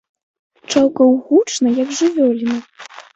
Чаўкаў гучна, як жывёліна.